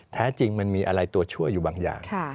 แท้จริงมันมีอะไรตัวชั่วอยู่บางอย่าง